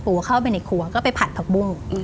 เข้าไปในครัวก็ไปผัดผักบุ้ง